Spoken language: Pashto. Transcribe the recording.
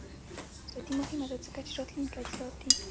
د بیان ازادي مهمه ده ځکه چې راتلونکی ساتي.